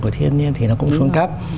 của thiên nhiên thì nó cũng xuống cấp